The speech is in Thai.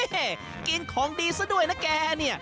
เฮ่กินของดีซะด้วยนะแก